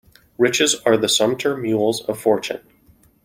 Riches are the sumpter mules of fortune.